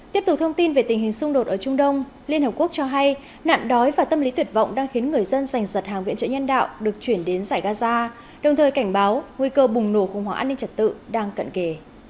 tiếp tục thông tin về tình hình xung đột ở trung đông liên hợp quốc cho hay nạn đói và tâm lý tuyệt vọng đang khiến người dân giành giật hàng viện trợ nhân đạo được chuyển đến giải gaza đồng thời cảnh báo nguy cơ bùng nổ khủng hoảng an ninh trật tự đang cận kề